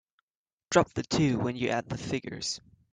Drop the two when you add the figures.